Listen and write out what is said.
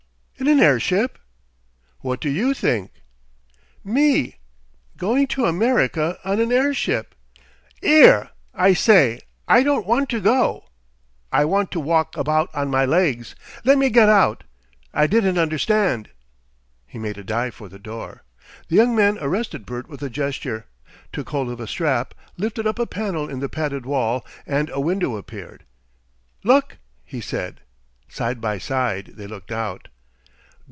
"In an airship?" "What do YOU think?" "Me! going to America on an airship! After that balloon! 'Ere! I say I don't want to go! I want to walk about on my legs. Let me get out! I didn't understand." He made a dive for the door. The young man arrested Bert with a gesture, took hold of a strap, lifted up a panel in the padded wall, and a window appeared. "Look!" he said. Side by side they looked out.